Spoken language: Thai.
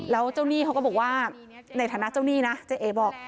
แล้วเจ้าหนี้เขาก็บอกว่าในฐานะเจ้าหนี้นะเจ๊เอ๋บอก